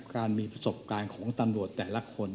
การมีประสบการณ์ของตำรวจแต่ละคน